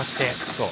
そう。